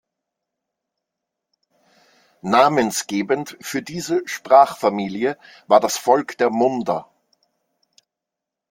Namensgebend für diese Sprachfamilie war das Volk der Munda.